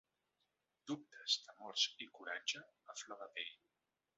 Dubtes, temors i coratge a flor de pell.